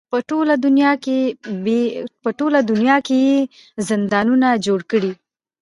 په ټوله دنیا کې یې زندانونه جوړ کړي.